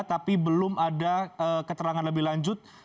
tapi belum ada keterangan lebih lanjut